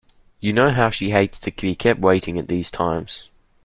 You know how she hates to be kept waiting at these times.